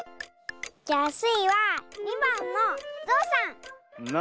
じゃあスイは２ばんのゾウさん！